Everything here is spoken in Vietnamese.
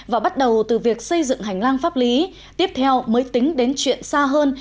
và bắt đầu từ việc xây dựng hành lang pháp lý tiếp theo mới tính đến chuyện xa hơn